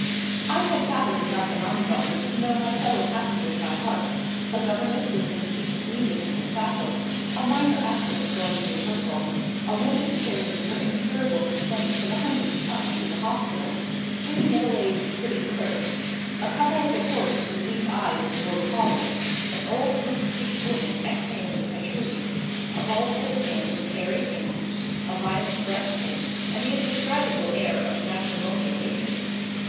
I had travelled enough in omnibuses to know my fellow passengers by heart a governess with some sheets of music in her satchel; a minor actress going to rehearsal; a woman carrying her incurable complaint for the hundredth time to the hospital; three middle aged city clerks; a couple of reporters with weak eyes and low collars; an old loose cheeked woman exhaling patchouli; a bald headed man with hairy hands, a violent breast pin, and the indescribable air of a matrimonial agent.